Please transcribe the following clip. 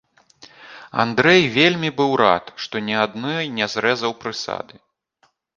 Андрэй вельмі быў рад, што ні адной не зрэзаў прысады.